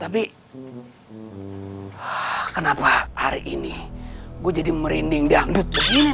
tapi kenapa hari ini gue jadi merinding dianggut begini nih